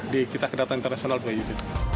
di kita kedatangan internasional dua unit